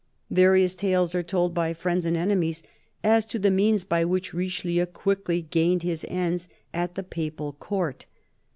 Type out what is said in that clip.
Various tales are told, by friends and enemies, as to the means by which Richelieu quickly gained his ends at the Papal Court.